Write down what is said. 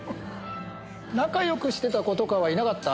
仲良くしてた子とかはいなかった？